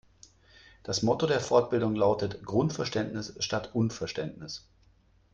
Das Motto der Fortbildung lautet Grundverständnis statt Unverständnis.